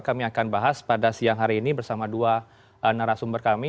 kami akan bahas pada siang hari ini bersama dua narasumber kami